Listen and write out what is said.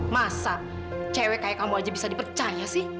masa cewek kayak kamu aja bisa dipercaya sih